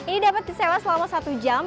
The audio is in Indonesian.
ini dapat disewa selama satu jam